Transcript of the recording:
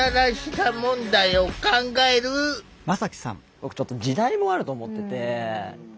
僕ちょっと時代もあると思ってて。